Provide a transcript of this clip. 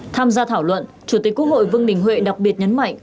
tham gia thảo luận chủ tịch quốc hội vương đình huệ đặc biệt nhấn mạnh